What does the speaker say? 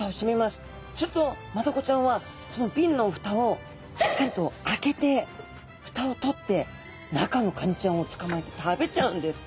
するとマダコちゃんはそのビンのふたをしっかりと開けてふたを取って中のカニちゃんをつかまえて食べちゃうんです。